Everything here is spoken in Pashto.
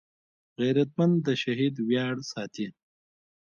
غیرتمند د شهید ویاړ ساتي